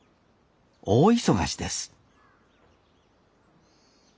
大忙しです